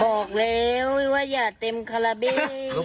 บอกแล้วว่าอย่าเต็มคาราเบ้